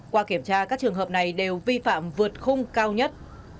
qua kiểm tra các trường hợp này đều vi phạm vượt khung cao nhất